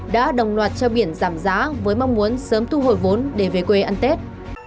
đã đồng loạt treo biển giảm giá với mong muốn sớm thu hồi vốn để về quê ăn tết